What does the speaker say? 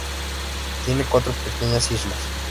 Tiene cuatro pequeñas islas.